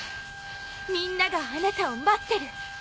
みんながあなたを待ってる。